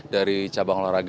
dari cabang olahraga